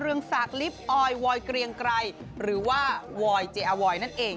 เรืองสักลิปออยวอยเกลียงไกรหรือว่าวอยเจอร์วอยนั่นเอง